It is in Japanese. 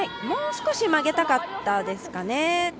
もう少し曲げたかったですかね。